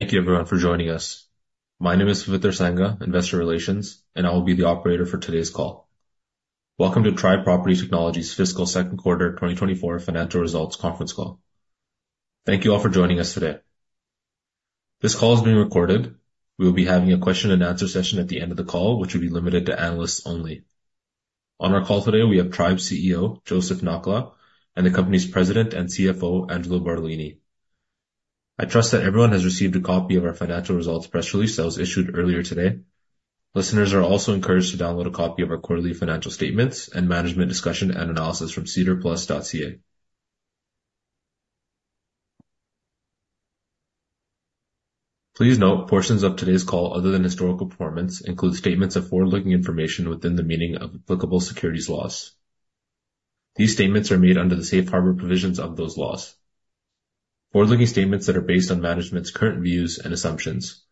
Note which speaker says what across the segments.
Speaker 1: Thank you everyone for joining us. My name is Vivitar Sangha, Investor Relations, and I will be the operator for today's call. Welcome to Tribe Property Technologies Fiscal Second Quarter 2024 Financial Results Conference Call. Thank you all for joining us today. This call is being recorded. We will be having a question and answer session at the end of the call, which will be limited to analysts only. On our call today, we have Tribe's CEO, Joseph Nakhla, and the company's President and CFO, Angelo Bartolini. I trust that everyone has received a copy of our financial results press release that was issued earlier today. Listeners are also encouraged to download a copy of our quarterly financial statements and management discussion and analysis from SEDAR+.ca. Please note, portions of today's call, other than historical performance, include statements of forward-looking information within the meaning of applicable securities laws. These statements are made under the safe harbor provisions of those laws. Forward-looking statements that are based on management's current views and assumptions.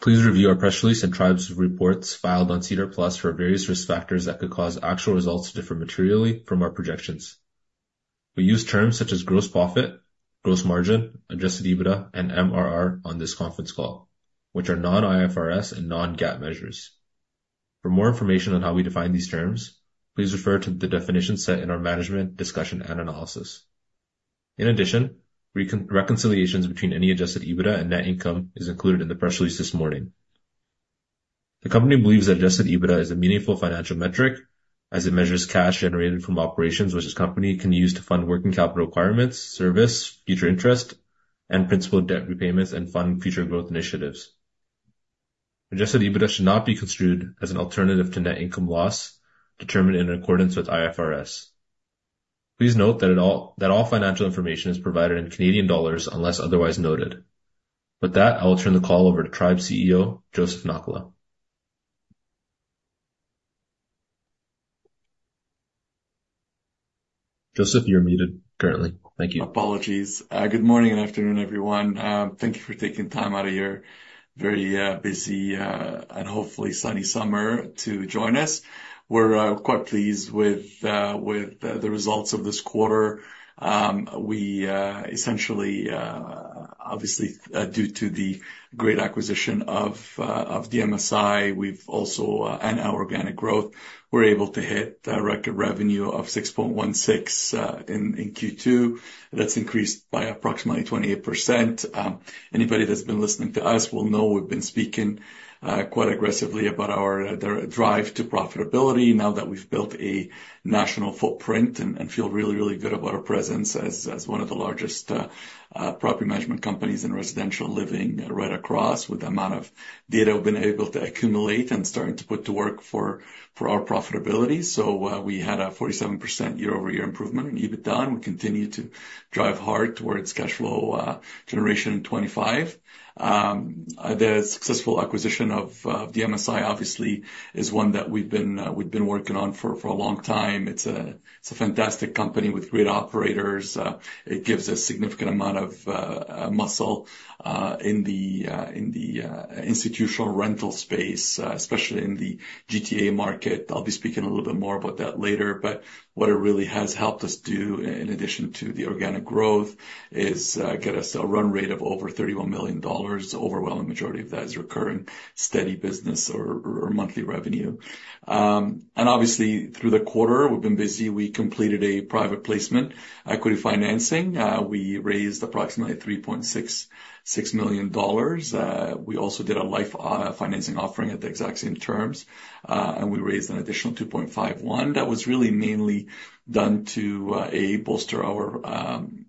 Speaker 1: Please review our press release and Tribe's reports filed on SEDAR+ for various risk factors that could cause actual results to differ materially from our projections. We use terms such as gross profit, gross margin, adjusted EBITDA, and MRR on this conference call, which are non-IFRS and non-GAAP measures. For more information on how we define these terms, please refer to the definition set in our management's discussion and analysis. In addition, reconciliations between any adjusted EBITDA and net income is included in the press release this morning. The company believes that Adjusted EBITDA is a meaningful financial metric as it measures cash generated from operations, which this company can use to fund working capital requirements, service, future interest, and principal debt repayments, and fund future growth initiatives. Adjusted EBITDA should not be construed as an alternative to net income loss determined in accordance with IFRS. Please note that all financial information is provided in Canadian dollars, unless otherwise noted. With that, I will turn the call over to Tribe CEO, Joseph Nakhla. Joseph, you're muted currently. Thank you.
Speaker 2: Apologies. Good morning and afternoon, everyone. Thank you for taking time out of your very busy and hopefully sunny summer to join us. We're quite pleased with the results of this quarter. We essentially obviously due to the great acquisition of DMSI, we've also and our organic growth, we're able to hit a record revenue of 6.16 in Q2. That's increased by approximately 28%. Anybody that's been listening to us will know we've been speaking quite aggressively about our drive to profitability now that we've built a national footprint and feel really, really good about our presence as one of the largest property management companies in residential living right across with the amount of data we've been able to accumulate and starting to put to work for our profitability, so we had a 47% year-over-year improvement in EBITDA, and we continue to drive hard towards cash flow generation in 2025. The successful acquisition of DMSI obviously is one that we've been working on for a long time. It's a fantastic company with great operators. It gives a significant amount of muscle in the institutional rental space, especially in the GTA market. I'll be speaking a little bit more about that later, but what it really has helped us do, in addition to the organic growth, is get us a run rate of over 31 million dollars. The overwhelming majority of that is recurring, steady business or monthly revenue. And obviously, through the quarter, we've been busy. We completed a private placement, equity financing. We raised approximately 3.66 million dollars. We also did a LIFE financing offering at the exact same terms, and we raised an additional 2.51 million. That was really mainly done to bolster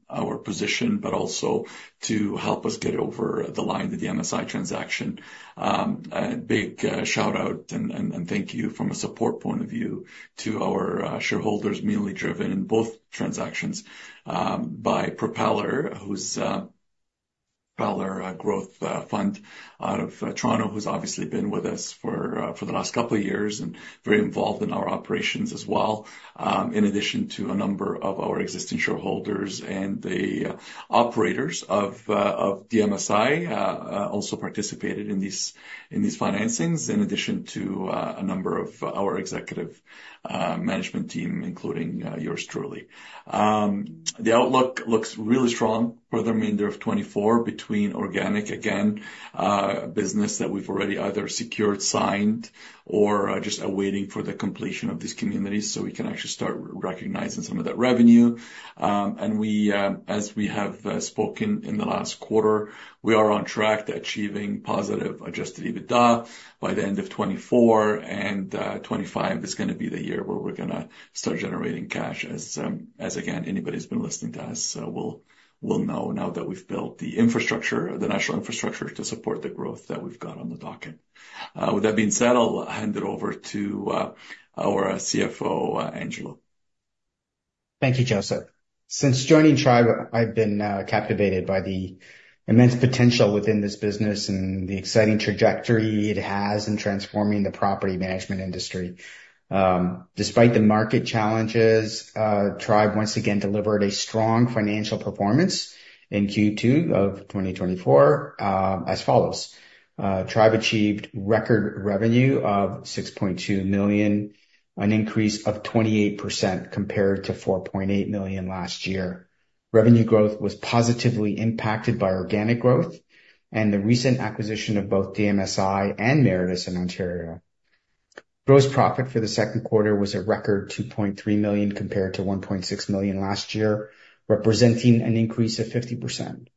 Speaker 2: our position, but also to help us get over the line of DMSI transaction. A big shout-out and thank you from a support point of view to our shareholders, mainly driven in both transactions by Propeller Growth Fund out of Toronto, who's obviously been with us for the last couple of years and very involved in our operations as well. In addition to a number of our existing shareholders and the operators of DMSI also participated in these financings, in addition to a number of our executive management team, including yours truly. The outlook looks really strong for the remainder of 2024 between organic, again, business that we've already either secured, signed, or just awaiting for the completion of these communities, so we can actually start recognizing some of that revenue, and we, as we have spoken in the last quarter, we are on track to achieving positive Adjusted EBITDA by the end of 2024, and 2025 is gonna be the year where we're gonna start generating cash as, as again, anybody who's been listening to us, will know now that we've built the infrastructure, the national infrastructure, to support the growth that we've got on the docket. With that being said, I'll hand it over to our CFO, Angelo.
Speaker 3: Thank you, Joseph. Since joining Tribe, I've been captivated by the immense potential within this business and the exciting trajectory it has in transforming the property management industry. Despite the market challenges, Tribe once again delivered a strong financial performance in Q2 of 2024, as follows: Tribe achieved record revenue of 6.2 million, an increase of 28% compared to 4.8 million last year. Revenue growth was positively impacted by organic growth and the recent acquisition of both DMSI and Meritus in Ontario. Gross profit for the second quarter was a record 2.3 million, compared to 1.6 million last year, representing an increase of 50%.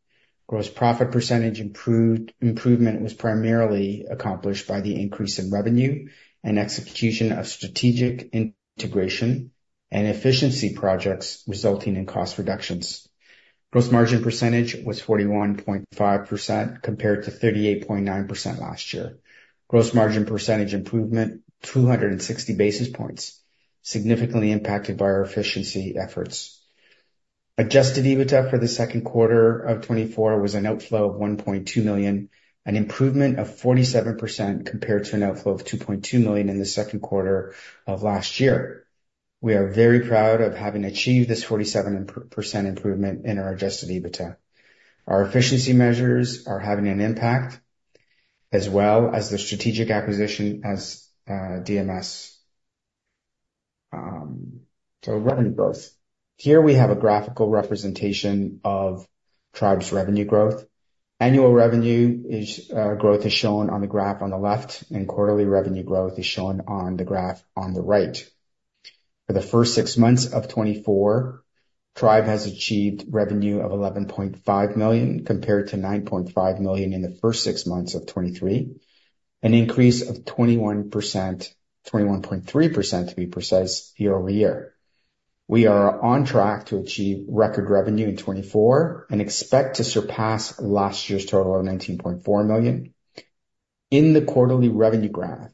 Speaker 3: Gross profit percentage improvement was primarily accomplished by the increase in revenue and execution of strategic integration and efficiency projects, resulting in cost reductions. Gross margin percentage was 41.5%, compared to 38.9% last year. Gross margin percentage improvement, 260 basis points, significantly impacted by our efficiency efforts. Adjusted EBITDA for the second quarter of 2024 was an outflow of 1.2 million, an improvement of 47% compared to an outflow of 2.2 million in the second quarter of last year. We are very proud of having achieved this 47% improvement in our adjusted EBITDA. Our efficiency measures are having an impact, as well as the strategic acquisition as DMS. So revenue growth. Here we have a graphical representation of Tribe's revenue growth. Annual revenue growth is shown on the graph on the left, and quarterly revenue growth is shown on the graph on the right. For the first six months of 2024, Tribe has achieved revenue of 11.5 million, compared to 9.5 million in the first six months of 2023, an increase of 21%, 21.3% to be precise, year over year. We are on track to achieve record revenue in 2024 and expect to surpass last year's total of 19.4 million. In the quarterly revenue graph,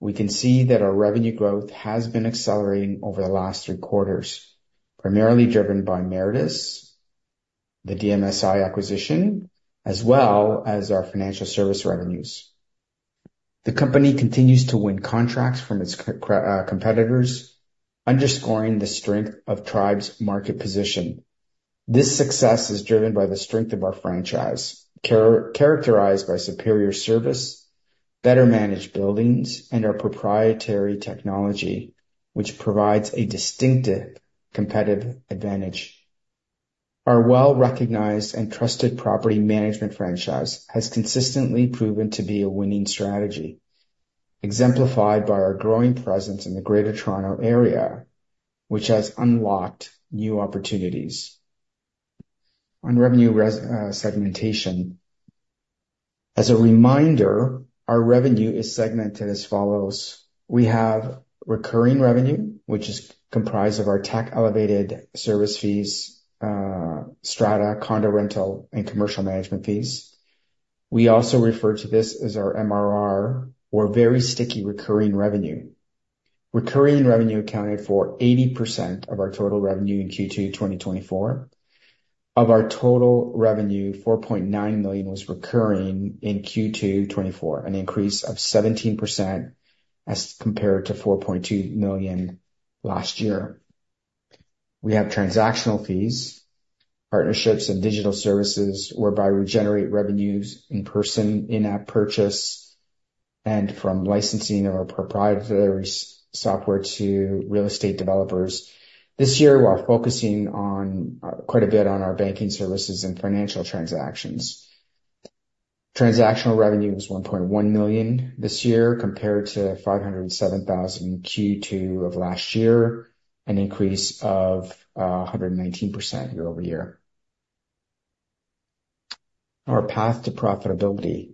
Speaker 3: we can see that our revenue growth has been accelerating over the last three quarters, primarily driven by Meritus, the DMSI acquisition, as well as our financial service revenues. The company continues to win contracts from its competitors, underscoring the strength of Tribe's market position. This success is driven by the strength of our franchise, characterized by superior service, better-managed buildings, and our proprietary technology, which provides a distinctive competitive advantage. Our well-recognized and trusted property management franchise has consistently proven to be a winning strategy, exemplified by our growing presence in the Greater Toronto area, which has unlocked new opportunities. On revenue segmentation. As a reminder, our revenue is segmented as follows: We have recurring revenue, which is comprised of our tech-elevated service fees, strata, condo, rental, and commercial management fees. We also refer to this as our MRR, or very sticky recurring revenue. Recurring revenue accounted for 80% of our total revenue in Q2 2024. Of our total revenue, 4.9 million was recurring in Q2 2024, an increase of 17% as compared to 4.2 million last year. We have transactional fees, partnerships, and digital services, whereby we generate revenues in person, in-app purchase, and from licensing of our proprietary software to real estate developers. This year, we are focusing on, quite a bit on our banking services and financial transactions. Transactional revenue was 1.1 million this year, compared to 507,000 in Q2 of last year, an increase of 119% year over year. Our path to profitability.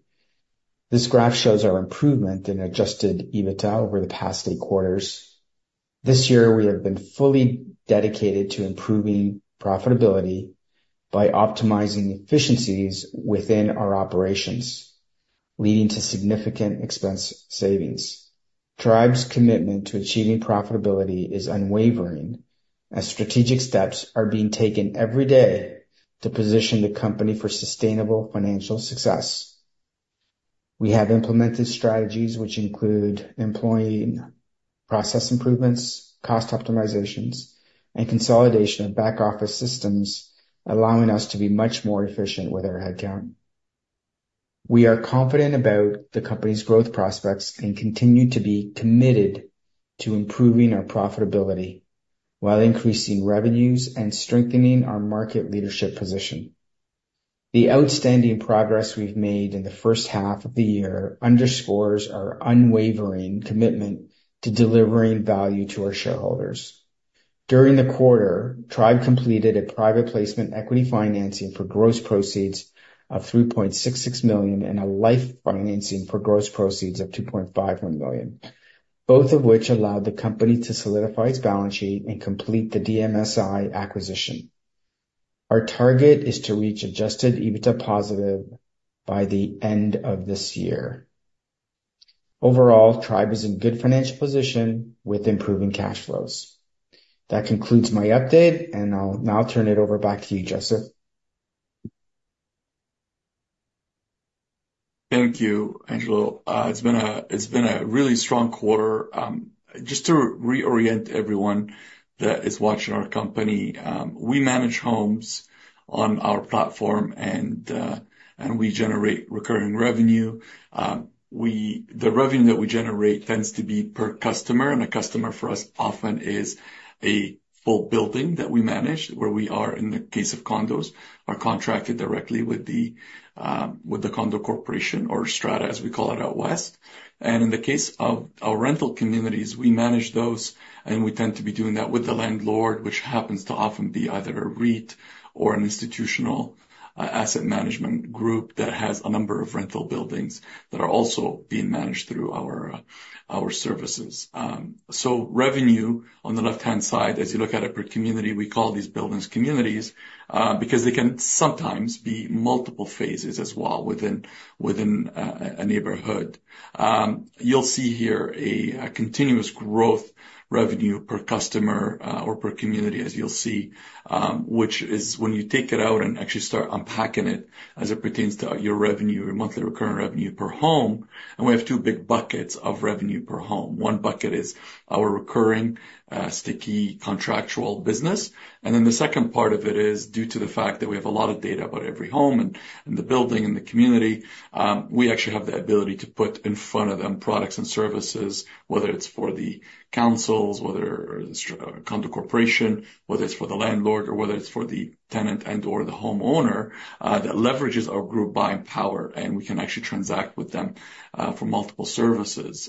Speaker 3: This graph shows our improvement in adjusted EBITDA over the past eight quarters. This year, we have been fully dedicated to improving profitability by optimizing efficiencies within our operations, leading to significant expense savings. Tribe's commitment to achieving profitability is unwavering, as strategic steps are being taken every day to position the company for sustainable financial success. We have implemented strategies which include employee process improvements, cost optimizations, and consolidation of back-office systems, allowing us to be much more efficient with our headcount. We are confident about the company's growth prospects and continue to be committed to improving our profitability while increasing revenues and strengthening our market leadership position. The outstanding progress we've made in the first half of the year underscores our unwavering commitment to delivering value to our shareholders. During the quarter, Tribe completed a private placement equity financing for gross proceeds of 3.66 million and a LIFE financing for gross proceeds of 2.51 million, both of which allowed the company to solidify its balance sheet and complete the DMSI acquisition. Our target is to reach Adjusted EBITDA positive by the end of this year. Overall, Tribe is in good financial position with improving cash flows. That concludes my update, and I'll now turn it over back to you, Joseph.
Speaker 2: Thank you, Angelo. It's been a really strong quarter. Just to reorient everyone that is watching our company, we manage homes on our platform, and we generate recurring revenue. The revenue that we generate tends to be per customer, and a customer for us often is a full building that we manage, where we are, in the case of condos, contracted directly with the condo corporation or strata, as we call it out west. In the case of our rental communities, we manage those, and we tend to be doing that with the landlord, which happens to often be either a REIT or an institutional asset management group that has a number of rental buildings that are also being managed through our services. So, revenue on the left-hand side, as you look at it per community. We call these buildings communities because they can sometimes be multiple phases as well within a neighborhood. You'll see here a continuous growth revenue per customer, or per community, as you'll see, which is when you take it out and actually start unpacking it as it pertains to your revenue, your monthly recurring revenue per home, and we have two big buckets of revenue per home. One bucket is our recurring, sticky contractual business. And then the second part of it is due to the fact that we have a lot of data about every home and the building and the community, we actually have the ability to put in front of them products and services, whether it's for the councils, whether it's condo corporation, whether it's for the landlord, or whether it's for the tenant and/or the homeowner, that leverages our group buying power, and we can actually transact with them, for multiple services.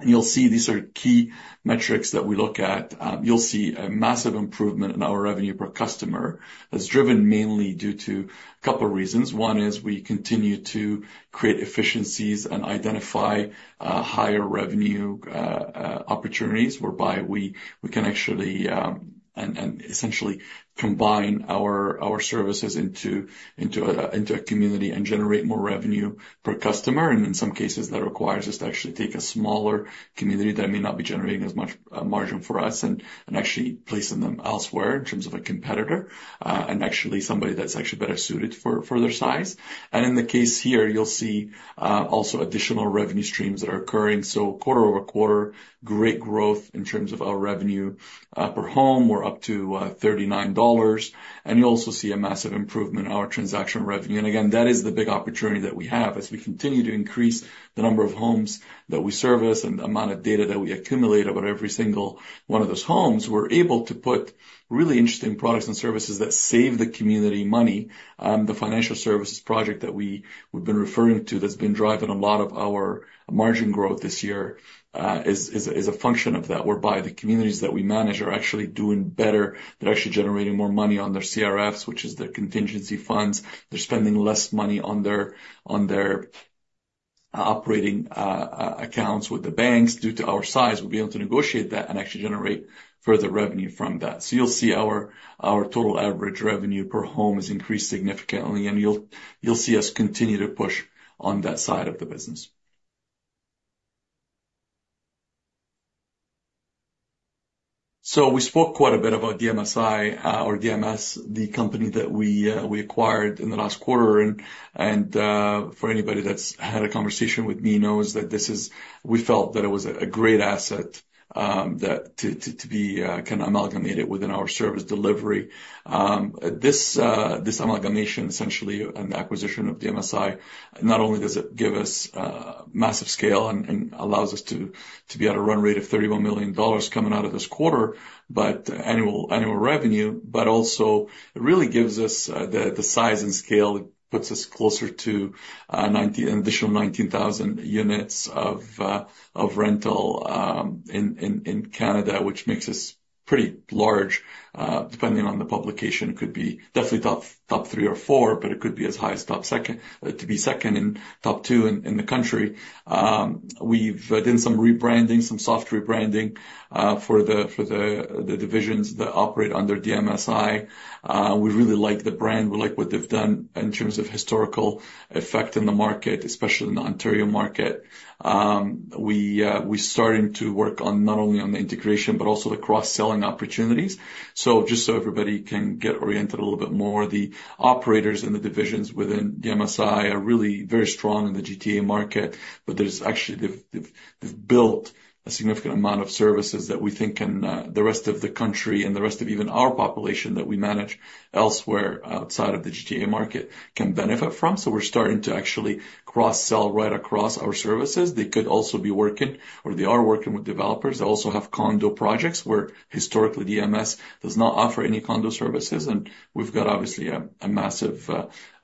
Speaker 2: And you'll see, these are key metrics that we look at. You'll see a massive improvement in our revenue per customer. That's driven mainly due to a couple reasons. One is we continue to create efficiencies and identify higher revenue opportunities whereby we can actually and essentially combine our services into a community and generate more revenue per customer. And in some cases, that requires us to actually take a smaller community that may not be generating as much margin for us and actually placing them elsewhere in terms of a competitor and actually somebody that's actually better suited for their size. And in the case here, you'll see also additional revenue streams that are occurring. So quarter over quarter, great growth in terms of our revenue. Per home, we're up to 39 dollars, and you also see a massive improvement in our transaction revenue. And again, that is the big opportunity that we have. As we continue to increase the number of homes that we service and the amount of data that we accumulate about every single one of those homes, we're able to put really interesting products and services that save the community money. The financial services project that we've been referring to, that's been driving a lot of our margin growth this year, is a function of that, whereby the communities that we manage are actually doing better. They're actually generating more money on their CRFs, which is their contingency funds. They're spending less money on their operating accounts with the banks. Due to our size, we'll be able to negotiate that and actually generate further revenue from that. So you'll see our total average revenue per home has increased significantly, and you'll see us continue to push on that side of the business. We spoke quite a bit about DMSI or DMS, the company that we acquired in the last quarter. For anybody that's had a conversation with me knows that this is. We felt that it was a great asset that to be kind of amalgamated within our service delivery. This amalgamation, essentially, and the acquisition of DMSI, not only does it give us massive scale and allows us to be at a run rate of 31 million dollars coming out of this quarter, but annual revenue, but also it really gives us the size and scale. It puts us closer to ninety, an additional nineteen thousand units of rental in Canada, which makes us pretty large, depending on the publication. It could be definitely top three or four, but it could be as high as top second to be second and top two in the country. We've done some rebranding, some soft rebranding, for the divisions that operate under DMSI. We really like the brand. We like what they've done in terms of historical effect in the market, especially in the Ontario market. We're starting to work on not only the integration, but also the cross-selling opportunities. So just so everybody can get oriented a little bit more, the operators in the divisions within DMSI are really very strong in the GTA market, but there's actually. They've built a significant amount of services that we think can the rest of the country and the rest of even our population that we manage elsewhere outside of the GTA market can benefit from. So we're starting to actually cross-sell right across our services. They could also be working, or they are working with developers. They also have condo projects where historically, DMS does not offer any condo services. And we've got, obviously, a massive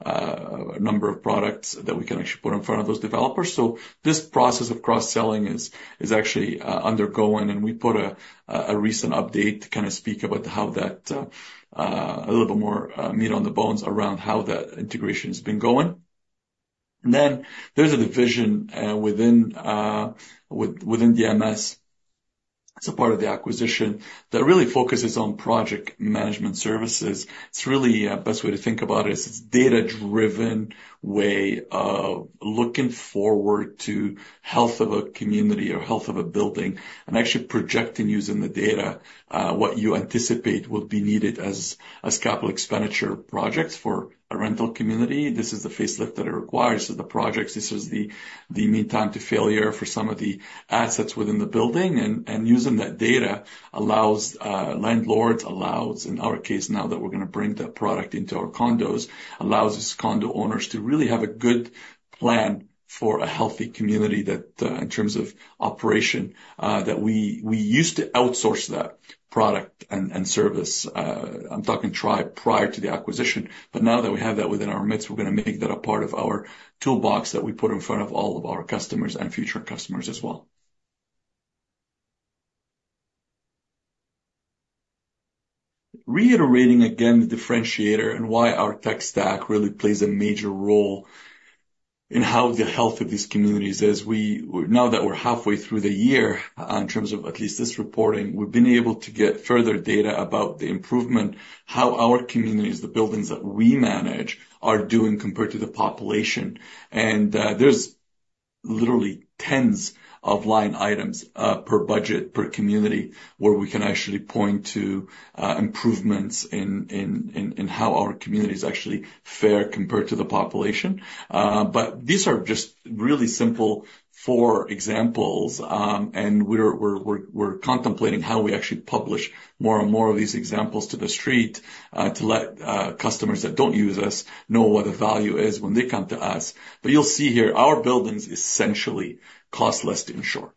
Speaker 2: number of products that we can actually put in front of those developers. So this process of cross-selling is actually undergoing, and we put a recent update to kind of speak about how that, a little more meat on the bones around how that integration has been going. And then there's a division within DMS. It's a part of the acquisition that really focuses on project management services. It's really best way to think about it, is it's data-driven way of looking forward to health of a community or health of a building and actually projecting, using the data, what you anticipate will be needed as capital expenditure projects for a rental community. This is the facelift that it requires. So the projects, this is the mean time to failure for some of the assets within the building. Using that data allows landlords, in our case, now that we're going to bring that product into our condos, allows us condo owners to really have a good plan for a healthy community that, in terms of operation, that we used to outsource that product and service. I'm talking prior to the acquisition, but now that we have that within our midst, we're going to make that a part of our toolbox that we put in front of all of our customers and future customers as well... Reiterating again the differentiator and why our tech stack really plays a major role in how the health of these communities, as we now that we're halfway through the year, in terms of at least this reporting, we've been able to get further data about the improvement, how our communities, the buildings that we manage, are doing compared to the population, and there's literally tens of line items per budget, per community, where we can actually point to improvements in how our communities actually fare compared to the population. But these are just really simple four examples, and we're contemplating how we actually publish more and more of these examples to the Street, to let customers that don't use us know what the value is when they come to us. But you'll see here, our buildings essentially cost less to insure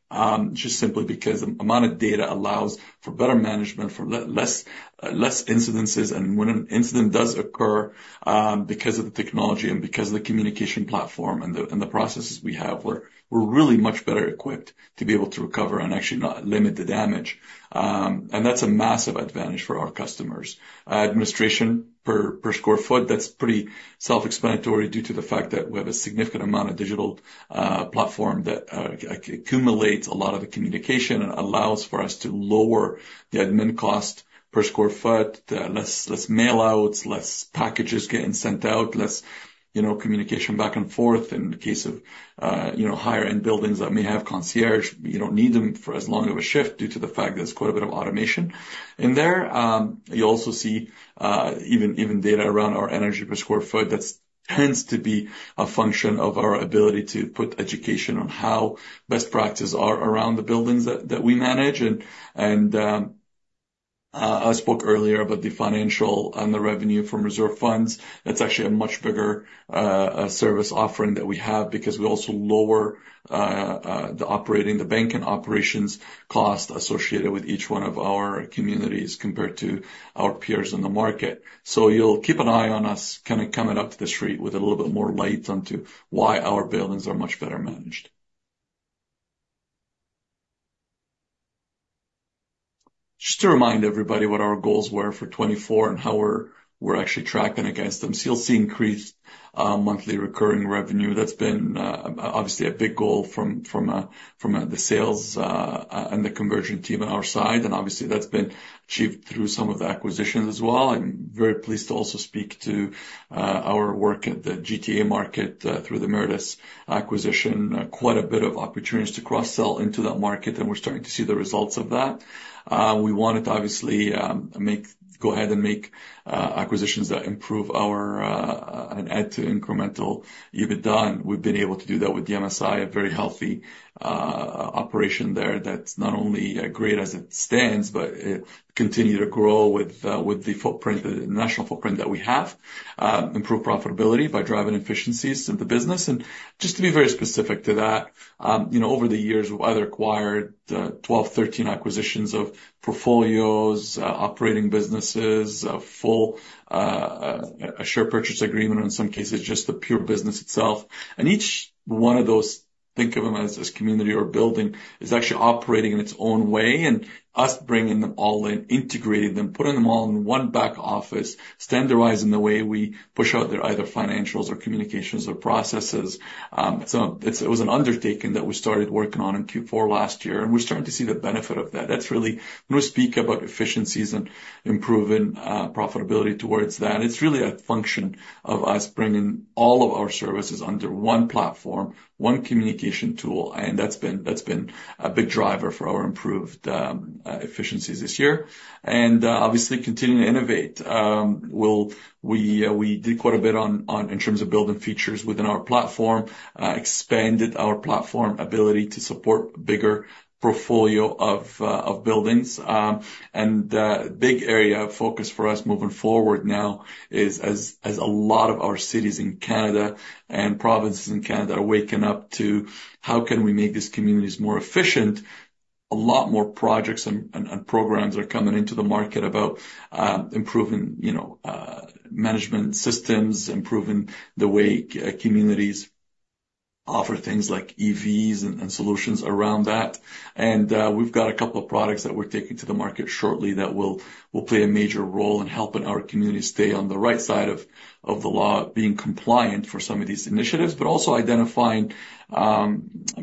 Speaker 2: just simply because the amount of data allows for better management, for less incidents. And when an incident does occur, because of the technology and because of the communication platform and the processes we have, we're really much better equipped to be able to recover and actually not limit the damage. And that's a massive advantage for our customers. Administration per sq ft, that's pretty self-explanatory, due to the fact that we have a significant amount of digital platform that accumulates a lot of the communication and allows for us to lower the admin cost per sq ft. Less mail outs, less packages getting sent out, less, you know, communication back and forth. In the case of, you know, higher-end buildings that may have concierge, you don't need them for as long of a shift due to the fact that there's quite a bit of automation. In there, you also see data around our energy per sq ft. That tends to be a function of our ability to put education on how best practices are around the buildings that we manage. And I spoke earlier about the financial and the revenue from reserve funds. That's actually a much bigger service offering that we have, because we also lower the operating, the banking operations cost associated with each one of our communities compared to our peers in the market. You'll keep an eye on us kind of coming up to the street with a little bit more light onto why our buildings are much better managed. Just to remind everybody what our goals were for 2024 and how we're actually tracking against them. You'll see increased monthly recurring revenue. That's been obviously a big goal from the sales and the conversion team on our side, and obviously, that's been achieved through some of the acquisitions as well. I'm very pleased to also speak to our work at the GTA market through the Meritus acquisition. Quite a bit of opportunities to cross-sell into that market, and we're starting to see the results of that. We wanted to obviously make acquisitions that improve our and add to incremental EBITDA, and we've been able to do that with DMSI, a very healthy operation there. That's not only great as it stands, but it continue to grow with the footprint, the national footprint that we have. Improve profitability by driving efficiencies of the business. Just to be very specific to that, you know, over the years, we've either acquired 12, 13 acquisitions of portfolios, operating businesses, a full share purchase agreement, or in some cases, just the pure business itself. And each one of those, think of them as, as community or building, is actually operating in its own way, and us bringing them all in, integrating them, putting them all in one back office, standardizing the way we push out their either financials or communications or processes. So it was an undertaking that we started working on in Q4 last year, and we're starting to see the benefit of that. That's really... When we speak about efficiencies and improving profitability towards that, it's really a function of us bringing all of our services under one platform, one communication tool, and that's been a big driver for our improved efficiencies this year. And obviously continuing to innovate. We did quite a bit in terms of building features within our platform, expanded our platform ability to support bigger portfolio of buildings. Big area of focus for us moving forward now is, as a lot of our cities in Canada and provinces in Canada are waking up to, how can we make these communities more efficient? A lot more projects and programs are coming into the market about improving, you know, management systems, improving the way communities offer things like EVs and solutions around that. We've got a couple of products that we're taking to the market shortly that will play a major role in helping our communities stay on the right side of the law, being compliant for some of these initiatives. Also identifying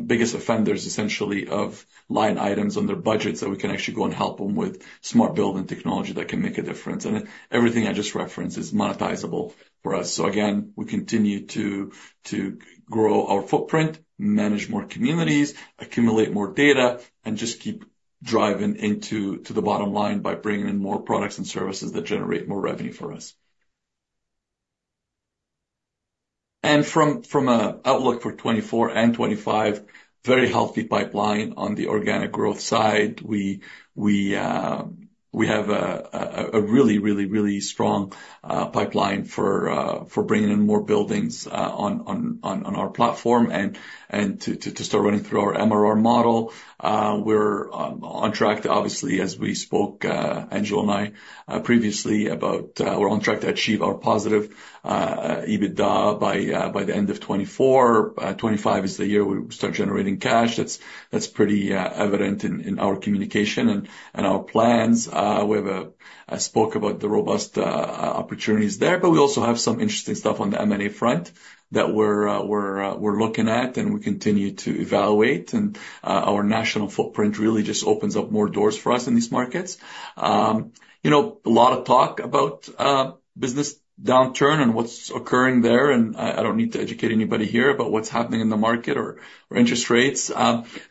Speaker 2: biggest offenders, essentially, of line items on their budgets, so we can actually go and help them with smart building technology that can make a difference. Everything I just referenced is monetizable for us. Again, we continue to grow our footprint, manage more communities, accumulate more data, and just keep driving into the bottom line by bringing in more products and services that generate more revenue for us. From an outlook for 2024 and 2025, very healthy pipeline on the organic growth side. We have a really strong pipeline for bringing in more buildings on our platform and to start running through our MRR model. We're on track, obviously, as we spoke, Angelo and I, previously about. We're on track to achieve our positive EBITDA by the end of 2024. 2025 is the year we start generating cash. That's pretty evident in our communication and our plans. We have. I spoke about the robust opportunities there, but we also have some interesting stuff on the M&A front that we're looking at, and we continue to evaluate. Our national footprint really just opens up more doors for us in these markets. You know, a lot of talk about business downturn and what's occurring there, and I don't need to educate anybody here about what's happening in the market or interest rates.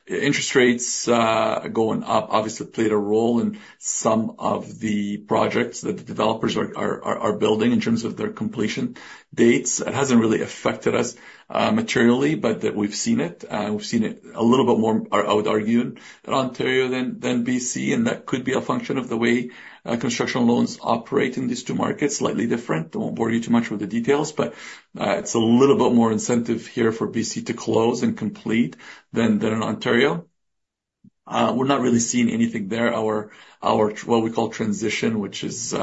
Speaker 2: Interest rates going up obviously played a role in some of the projects that the developers are building in terms of their completion dates. It hasn't really affected us materially, but we've seen it a little bit more, I would argue, in Ontario than BC, and that could be a function of the way construction loans operate in these two markets. Slightly different. I won't bore you too much with the details, but it's a little bit more incentive here for BC to close and complete than in Ontario. We're not really seeing anything there. Our what we call transition, which is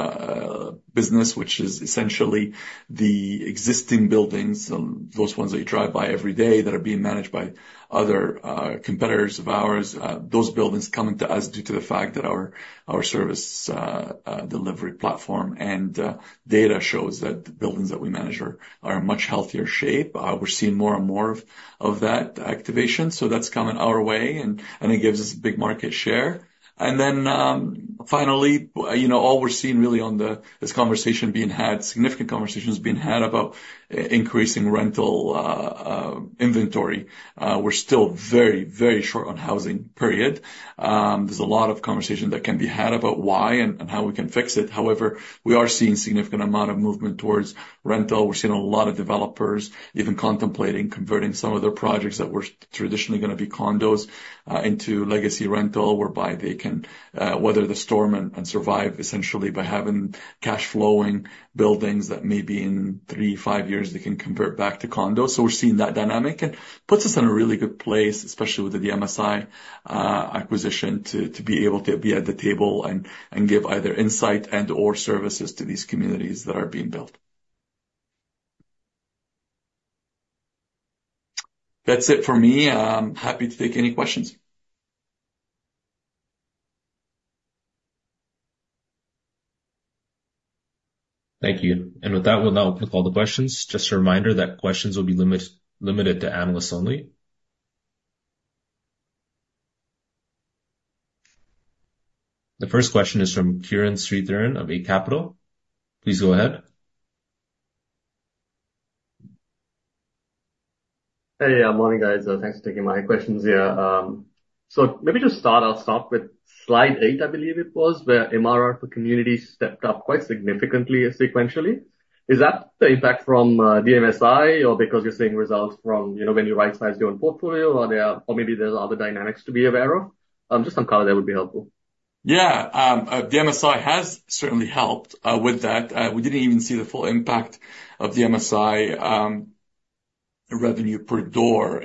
Speaker 2: business, which is essentially the existing buildings, those ones that you drive by every day, that are being managed by other competitors of ours. Those buildings coming to us due to the fact that our service delivery platform and data shows that the buildings that we manage are in much healthier shape. We're seeing more and more of that activation, so that's coming our way and it gives us big market share. And then, finally, you know, all we're seeing really on this conversation being had, significant conversations being had about increasing rental inventory. We're still very, very short on housing, period. There's a lot of conversation that can be had about why and how we can fix it. However, we are seeing significant amount of movement towards rental. We're seeing a lot of developers even contemplating converting some of their projects that were traditionally gonna be condos, into legacy rental, whereby they can, weather the storm and survive essentially by having cash flowing buildings that maybe in three, five years they can convert back to condos. So we're seeing that dynamic, and puts us in a really good place, especially with the DMSI acquisition, to be able to be at the table and give either insight and/or services to these communities that are being built. That's it for me. I'm happy to take any questions. Thank you. And with that, we'll now open up all the questions. Just a reminder that questions will be limited to analysts only. The first question is from Kiran Sridharan of Eight Capital. Please go ahead.
Speaker 4: Hey, morning, guys. Thanks for taking my questions here. So maybe just start, I'll start with slide eight, I believe it was, where MRR for community stepped up quite significantly sequentially. Is that the impact from DMSI or because you're seeing results from, you know, when you right-size your own portfolio, or maybe there's other dynamics to be aware of? Just some color there would be helpful.
Speaker 2: Yeah, DMSI has certainly helped with that. We didn't even see the full impact of DMSI revenue per door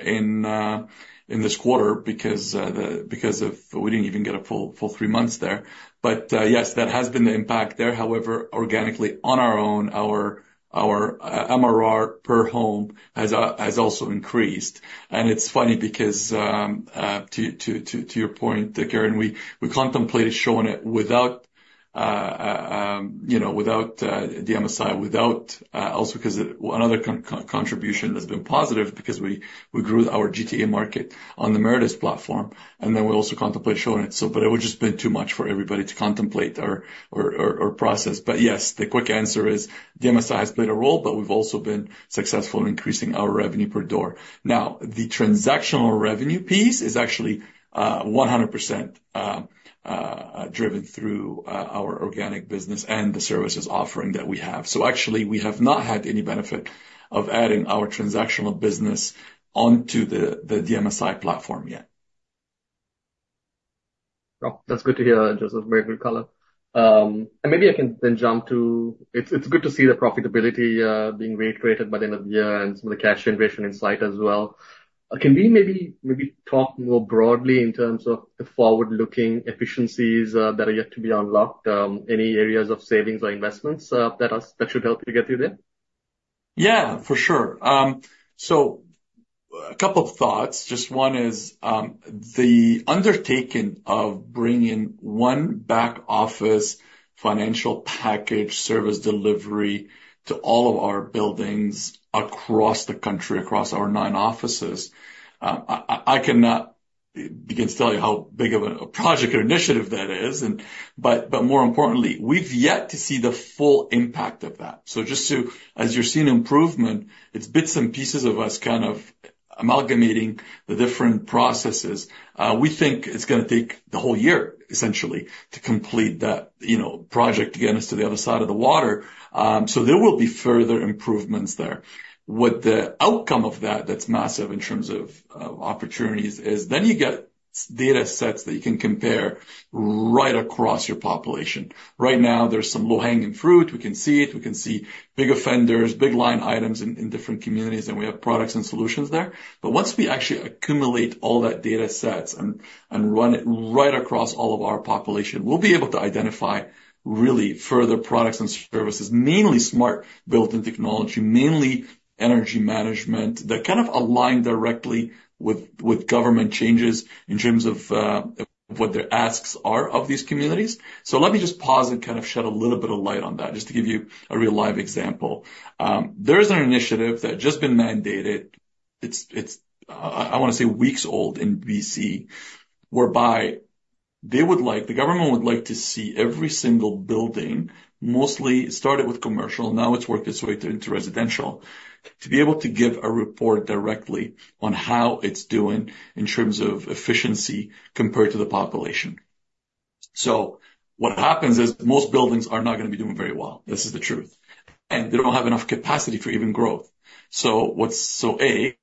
Speaker 2: in this quarter because we didn't even get a full three months there. But yes, that has been the impact there. However, organically, on our own, our MRR per home has also increased. And it's funny because to your point, Kiran, we contemplated showing it without, you know, without DMSI, without also because another contribution has been positive because we grew our GTA market on the Meritus platform, and then we also contemplate showing it. So but it would just been too much for everybody to contemplate or process. But yes, the quick answer is DMSI has played a role, but we've also been successful in increasing our revenue per door. Now, the transactional revenue piece is actually 100% driven through our organic business and the services offering that we have. So actually, we have not had any benefit of adding our transactional business onto the DMSI platform yet.
Speaker 4: Well, that's good to hear, Joseph. Very good color. And maybe I can then jump to... It's good to see the profitability being recreated by the end of the year and some of the cash generation in sight as well. Can we maybe talk more broadly in terms of the forward-looking efficiencies that are yet to be unlocked? Any areas of savings or investments that should help you get through there?
Speaker 2: Yeah, for sure. So a couple of thoughts. Just one is, the undertaking of bringing one back office financial package service delivery to all of our buildings across the country, across our nine offices. I cannot begin to tell you how big of a project or initiative that is. But more importantly, we've yet to see the full impact of that. As you're seeing improvement, it's bits and pieces of us kind of amalgamating the different processes. We think it's gonna take the whole year, essentially, to complete that, you know, project to get us to the other side of the water. So there will be further improvements there. What the outcome of that, that's massive in terms of opportunities, is then you get data sets that you can compare right across your population. Right now, there's some low-hanging fruit. We can see it. We can see big offenders, big line items in different communities, and we have products and solutions there. But once we actually accumulate all that data sets and run it right across all of our population, we'll be able to identify really further products and services, mainly smart, built-in technology, mainly energy management, that kind of align directly with government changes in terms of what their asks are of these communities. So let me just pause and kind of shed a little bit of light on that, just to give you a real-life example. There is an initiative that just been mandated, it's I wanna say weeks old in BC, whereby they would like the government would like to see every single building, mostly started with commercial, now it's worked its way to into residential, to be able to give a report directly on how it's doing in terms of efficiency compared to the population. So what happens is, most buildings are not gonna be doing very well. This is the truth, and they don't have enough capacity for even growth. So we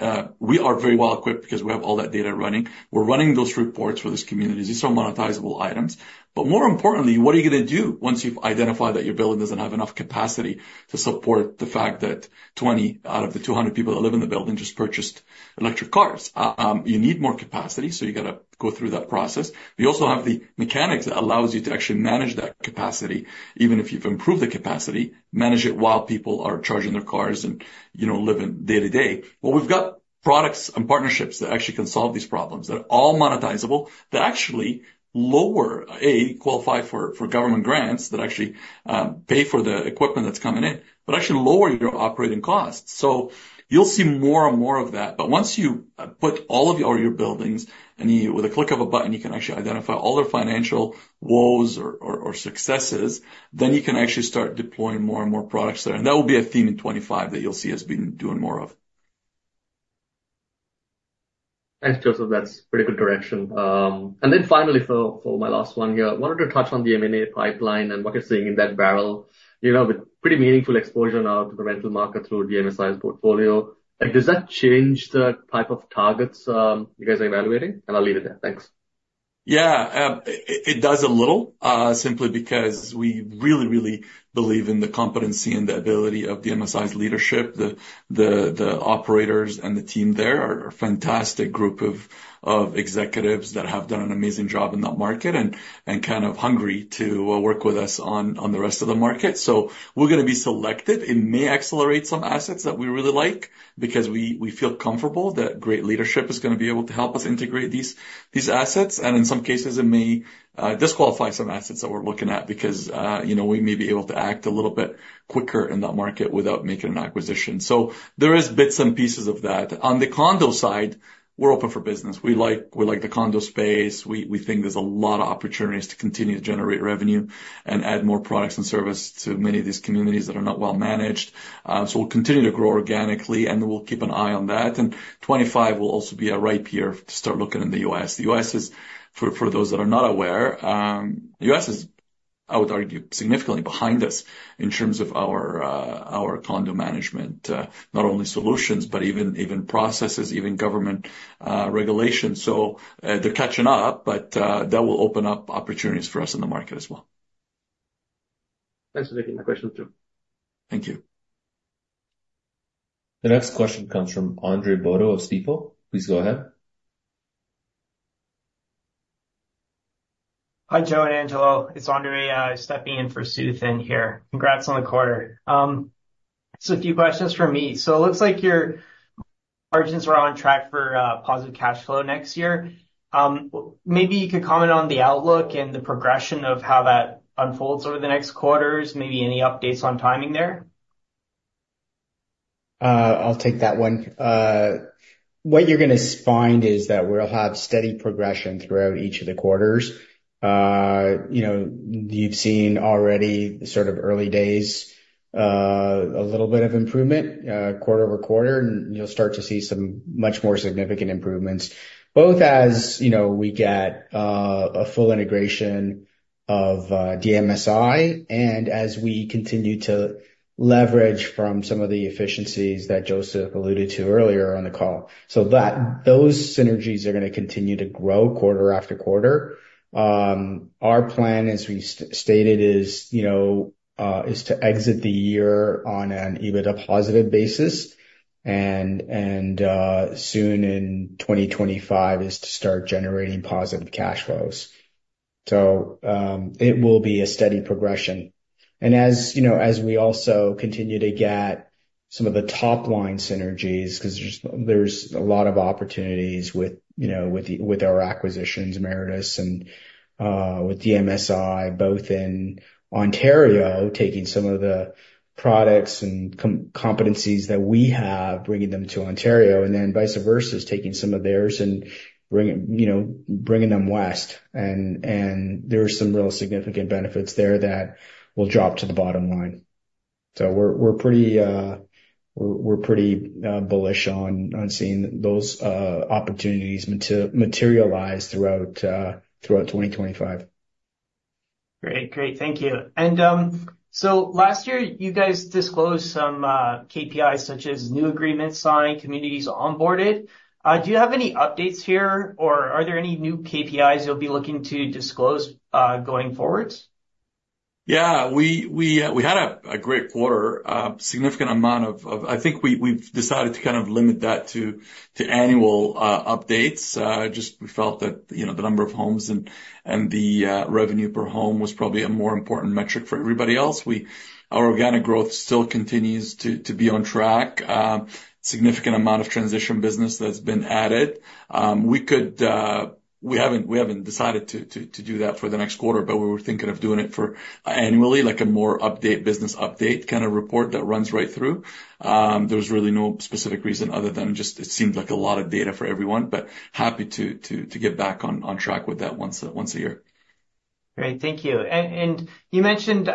Speaker 2: are very well equipped, because we have all that data running. We're running those reports for these communities. These are monetizable items. But more importantly, what are you gonna do once you've identified that your building doesn't have enough capacity to support the fact that twenty out of the two hundred people that live in the building just purchased electric cars? You need more capacity, so you gotta go through that process. We also have the mechanics that allows you to actually manage that capacity, even if you've improved the capacity, manage it while people are charging their cars and, you know, living day to day. Well, we've got products and partnerships that actually can solve these problems, that are all monetizable, that actually lower, a, qualify for government grants that actually pay for the equipment that's coming in, but actually lower your operating costs. So you'll see more and more of that. But once you put all of your buildings, and you, with a click of a button, you can actually identify all their financial woes or successes, then you can actually start deploying more and more products there. And that will be a theme in 2025 that you'll see us doing more of.
Speaker 4: Thanks, Joseph. That's pretty good direction. And then finally, for my last one here, I wanted to touch on the M&A pipeline and what you're seeing in that barrel. You know, with pretty meaningful exposure now to the rental market through DMSI's portfolio, like, does that change the type of targets, you guys are evaluating? And I'll leave it there. Thanks.
Speaker 2: Yeah, it does a little, simply because we really, really believe in the competency and the ability of DMSI's leadership. The operators and the team there are a fantastic group of executives that have done an amazing job in that market and kind of hungry to work with us on the rest of the market. So we're gonna be selective and may accelerate some assets that we really like, because we feel comfortable that great leadership is gonna be able to help us integrate these assets. And in some cases, it may disqualify some assets that we're looking at because, you know, we may be able to act a little bit quicker in that market without making an acquisition. So there is bits and pieces of that. On the condo side, we're open for business. We like the condo space. We think there's a lot of opportunities to continue to generate revenue and add more products and service to many of these communities that are not well managed. So we'll continue to grow organically, and we'll keep an eye on that. And 2025 will also be a ripe year to start looking in the U.S. The U.S. is, for those that are not aware, I would argue, significantly behind us in terms of our condo management, not only solutions, but even processes, even government regulations. So they're catching up, but that will open up opportunities for us in the market as well.
Speaker 4: Thanks for taking my question, too.
Speaker 2: Thank you. The next question comes from Andre Botto of Stifel. Please go ahead.
Speaker 5: Hi, Joe and Angelo. It's Andre stepping in for Suthan here. Congrats on the quarter. So a few questions from me. So it looks like your margins are on track for positive cash flow next year. Maybe you could comment on the outlook and the progression of how that unfolds over the next quarters? Maybe any updates on timing there?
Speaker 3: I'll take that one. What you're gonna find is that we'll have steady progression throughout each of the quarters. You know, you've seen already, sort of early days, a little bit of improvement, quarter over quarter, and you'll start to see some much more significant improvements, both as, you know, we get, a full integration of, DMSI, and as we continue to leverage from some of the efficiencies that Joseph alluded to earlier on the call. So those synergies are gonna continue to grow quarter after quarter. Our plan, as we stated is, you know, is to exit the year on an EBITDA-positive basis, and, and, soon in twenty twenty-five, is to start generating positive cash flows. So, it will be a steady progression. And as you know, as we also continue to get some of the top-line synergies, 'cause there's a lot of opportunities with, you know, with the, with our acquisitions, Meritus and with DMSI, both in Ontario, taking some of the products and competencies that we have, bringing them to Ontario, and then vice versa, taking some of theirs and bringing, you know, bringing them west. And there are some real significant benefits there that will drop to the bottom line....
Speaker 2: So we're pretty bullish on seeing those opportunities materialize throughout 2025.
Speaker 5: Great. Great, thank you, and so last year, you guys disclosed some KPIs, such as new agreements signed, communities onboarded. Do you have any updates here, or are there any new KPIs you'll be looking to disclose going forward?
Speaker 2: Yeah. We had a great quarter, significant amount of. I think we've decided to kind of limit that to annual updates. Just we felt that, you know, the number of homes and the revenue per home was probably a more important metric for everybody else. Our organic growth still continues to be on track. Significant amount of transition business that's been added. We haven't decided to do that for the next quarter, but we were thinking of doing it for annually, like a more update, business update kind of report that runs right through. There was really no specific reason other than just it seemed like a lot of data for everyone, but happy to get back on track with that once a year.
Speaker 5: Great, thank you. And you mentioned,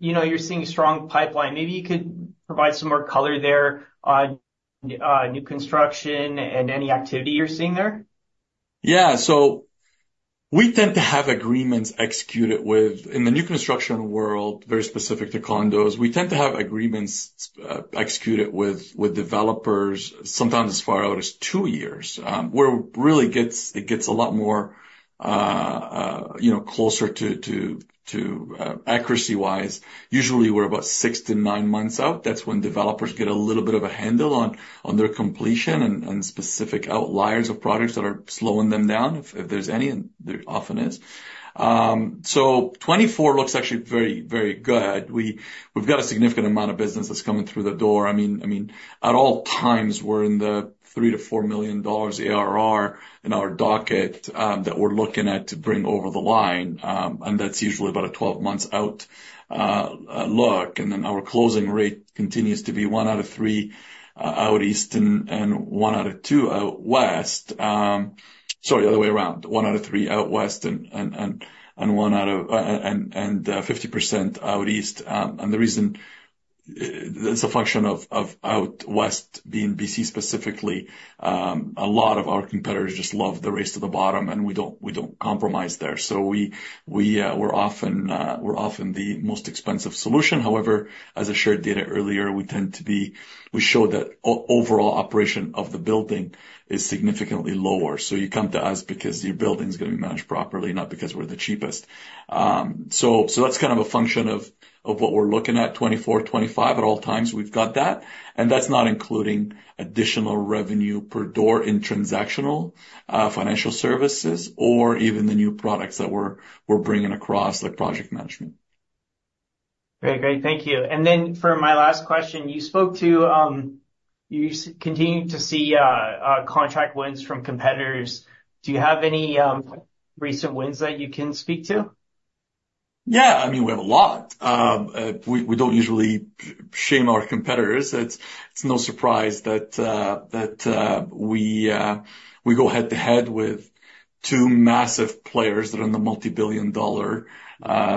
Speaker 5: you know, you're seeing a strong pipeline. Maybe you could provide some more color there on new construction and any activity you're seeing there?
Speaker 2: Yeah. So we tend to have agreements executed with... In the new construction world, very specific to condos, we tend to have agreements executed with developers, sometimes as far out as two years. Where it really gets a lot more, you know, closer to accuracy-wise. Usually, we're about six to nine months out. That's when developers get a little bit of a handle on their completion and specific outliers of products that are slowing them down, if there's any, and there often is. So twenty-four looks actually very, very good. We've got a significant amount of business that's coming through the door. I mean, at all times, we're in the 3 to 4 million dollars ARR in our docket that we're looking at to bring over the line, and that's usually about 12 months out, and then our closing rate continues to be one out of three out east and one out of two out west. Sorry, other way around, one out of three out west and 50% out east. And the reason that's a function of out west being BC, specifically, a lot of our competitors just love the race to the bottom, and we don't compromise there. So we're often the most expensive solution. However, as I shared data earlier, we tend to be we show that overall operation of the building is significantly lower. So you come to us because your building's gonna be managed properly, not because we're the cheapest. So that's kind of a function of what we're looking at, twenty-four, twenty-five, at all times we've got that, and that's not including additional revenue per door in transactional financial services or even the new products that we're bringing across, like project management.
Speaker 5: Great. Great, thank you. And then for my last question, you spoke to, you continue to see, contract wins from competitors. Do you have any, recent wins that you can speak to?
Speaker 2: Yeah. I mean, we have a lot. We don't usually shame our competitors. It's no surprise that we go head-to-head with two massive players that are in the multi-billion dollar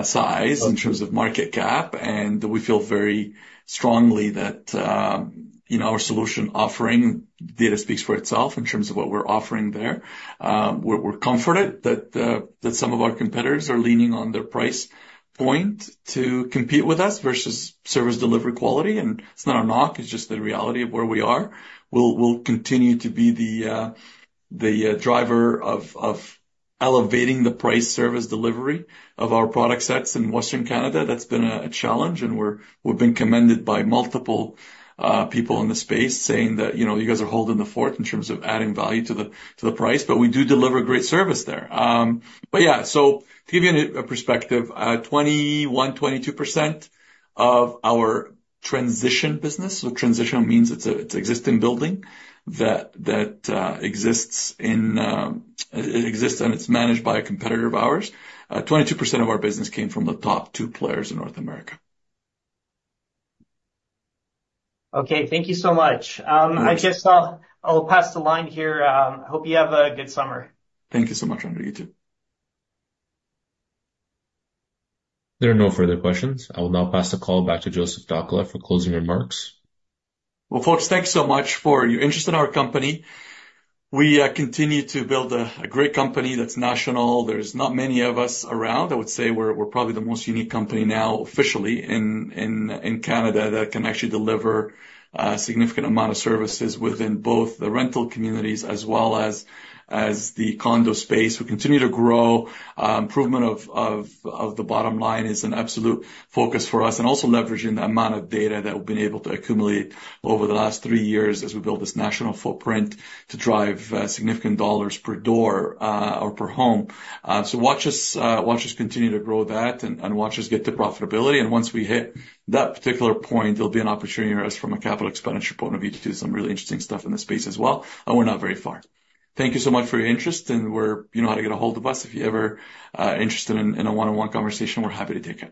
Speaker 2: size in terms of market cap, and we feel very strongly that, you know, our solution offering data speaks for itself in terms of what we're offering there. We're comforted that some of our competitors are leaning on their price point to compete with us versus service delivery quality, and it's not a knock, it's just the reality of where we are. We'll continue to be the driver of elevating the price service delivery of our product sets in Western Canada. That's been a challenge, and we've been commended by multiple people in the space saying that, "You know, you guys are holding the fort in terms of adding value to the price," but we do deliver great service there. But yeah, so to give you a perspective, 21%-22% of our transition business, so transition means it's an existing building that exists and it's managed by a competitor of ours. 22% of our business came from the top two players in North America.
Speaker 5: Okay. Thank you so much.
Speaker 2: Thanks.
Speaker 5: I just, I'll pass the line here. Hope you have a good summer.
Speaker 2: Thank you so much, Andre. You, too. There are no further questions. I will now pass the call back to Joseph Nakhla for closing remarks. Folks, thanks so much for your interest in our company. We continue to build a great company that's national. There's not many of us around. I would say we're probably the most unique company now, officially, in Canada, that can actually deliver a significant amount of services within both the rental communities as well as the condo space. We continue to grow. Improvement of the bottom line is an absolute focus for us, and also leveraging the amount of data that we've been able to accumulate over the last three years as we build this national footprint to drive significant dollars per door or per home. So watch us continue to grow that and watch us get to profitability. And once we hit that particular point, there'll be an opportunity for us from a capital expenditure point of view, to do some really interesting stuff in this space as well, and we're not very far. Thank you so much for your interest, and we're, you know how to get a hold of us if you're ever interested in a one-on-one conversation, we're happy to take your call.